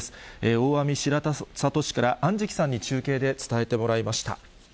大網白里市から安食さんに中継で伝えてもらいました。